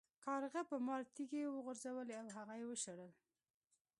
کارغه په مار تیږې وغورځولې او هغه یې وشړل.